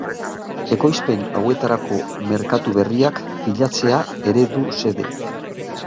Ekoizpen hauetarako merkatu berriak bilatzea ere du xede.